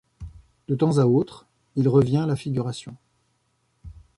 De temps à autre, il revient à la figuration.